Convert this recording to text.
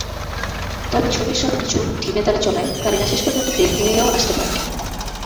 তবে ছবির সবকিছু ঢিমেতালে চলায় কারিনা শেষ পর্যন্ত বের হয়েও আসতে পারেন।